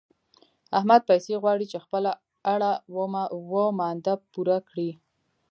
احمد پيسې غواړي چې خپله اړه و مانده پوره کړي.